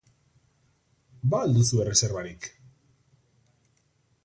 Ba al duzu erreserbarik.